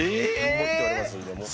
持っておりますんでもう。